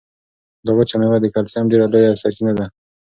دا وچه مېوه د کلسیم ډېره لویه سرچینه ده.